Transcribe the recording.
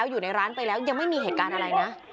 อยู่ในร้านไปแล้วยังไม่มีเหตุการณ์อะไรนะ